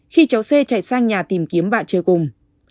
khi cháu c chạy sang nhà tìm kiếm bạn chơi cùng